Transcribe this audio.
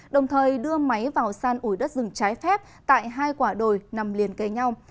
đồng thời đưa máy vào san ủi đất rừng trái phép tại hai quả đồi nằm liền kề nhau